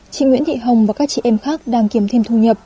chị nguyễn thị hồng và các chị em khác đang kiếm thêm thu nhập